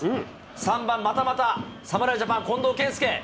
３番、またまた侍ジャパン、近藤健介。